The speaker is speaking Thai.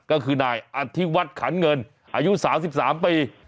ก็คือนายอัธิวัตย์ขันเงินอายุสามสิบสามไป